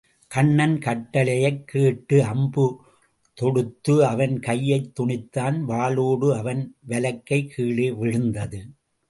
கண்ணன் கட்டளையைக் கேட்டு அம்பு தொடுத்து அவன் கையைத் துணித்தான் வாளோடு அவன் வலக்கை கீழே விழுந்தது.